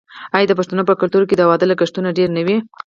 آیا د پښتنو په کلتور کې د واده لګښتونه ډیر نه وي؟